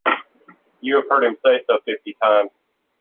You have heard him say so fifty times.